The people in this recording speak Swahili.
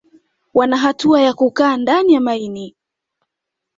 Wana hatua ya kukaa ndani ya maini